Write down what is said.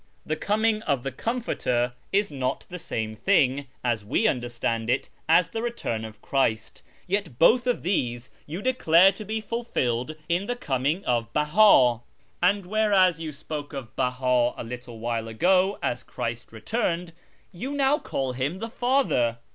The coming of the Comforter is not the same thing, as we nnderstand it, as the return of Christ, yet both of these you decLare to be fulfilled in the coming of Behil. And whereas you spoke of Belu'i a little while ago as Christ re turned, vou now call him ' the Father.'